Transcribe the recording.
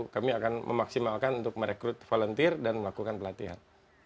kami akan memaksimalkan untuk merekrut volunteer dan melakukan pelatihan